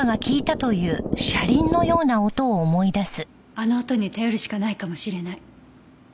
あの音に頼るしかないかもしれない。